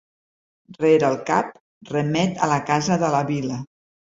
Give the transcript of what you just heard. Rere el cap remet a la casa de la vila.